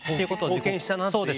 貢献したなっていう。